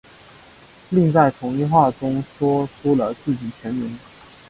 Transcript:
另在同一话中说出了自己全名。